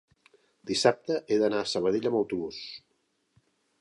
dissabte he d'anar a Sabadell amb autobús.